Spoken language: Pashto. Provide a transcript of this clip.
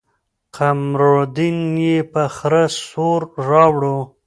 قمرالدين يې په خره سور راوړو.